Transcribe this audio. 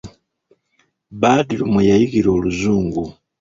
Badru mwe yayigira oluzungu.